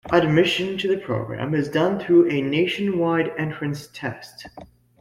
Admission to the program is done through a nationwide entrance test.